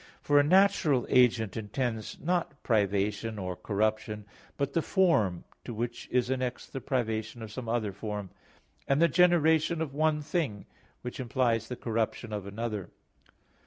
For a natural agent intends not privation or corruption, but the form to which is annexed the privation of some other form, and the generation of one thing, which implies the corruption of another.